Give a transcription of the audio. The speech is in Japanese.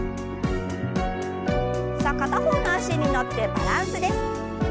さあ片方の脚に乗ってバランスです。